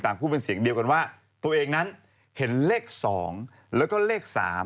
ต่างผู้เป็นเสียงเดียวกันว่าตัวเองนั้นเห็นเลขสองแล้วก็เลขสาม